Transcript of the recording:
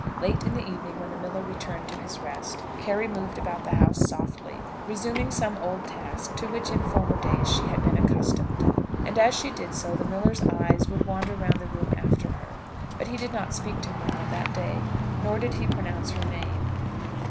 Late in the evening, when the miller returned to his rest, Carry moved about the house softly, resuming some old task to which in former days she had been accustomed; and as she did so the miller's eyes would wander round the room after her; but he did not speak to her on that day, nor did he pronounce her name.